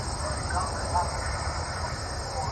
¬ په خپلو خپل، په پردو پردى.